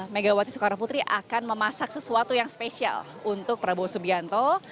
megawati soekarno putri akan memasak sesuatu yang spesial untuk prabowo subianto